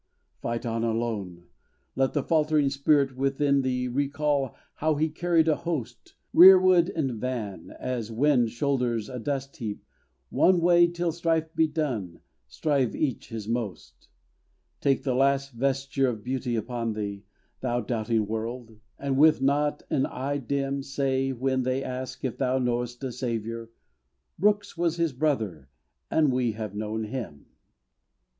Fight on alone! Let the faltering spirit Within thee recall how he carried a host, Rearward and van, as Wind shoulders a dust heap; One Way till strife be done, strive each his most. Take the last vesture of beauty upon thee, Thou doubting world; and with not an eye dim Say, when they ask if thou knowest a Saviour, "Brooks was His brother, and we have known him."